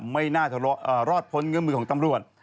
ไม่น่ารอดพ้นเงื้อมือของตำรวจ